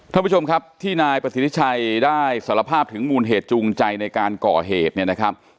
ท่านผู้ชมครับที่นายประสิทธิชัยได้สารภาพถึงมูลเหตุจูงใจในการก่อเหตุเนี่ยนะครับ